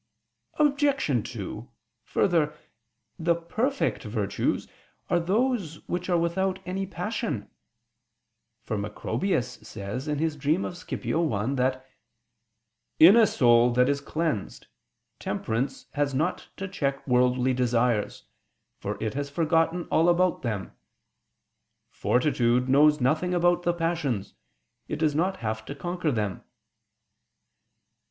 Obj. 2: Further, the perfect virtues are those which are without any passion: for Macrobius says (Super Somn. Scip. 1) that "in a soul that is cleansed, temperance has not to check worldly desires, for it has forgotten all about them: fortitude knows nothing about the passions; it does not have to conquer them."